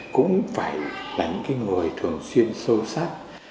cũng phải là những người thường xuyên sâu sắc